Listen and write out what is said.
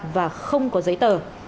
và không có giấy tờ